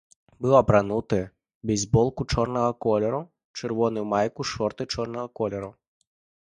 Быў апрануты ў бейсболку чорнага колеру, чырвоную майку, шорты чорнага колеру.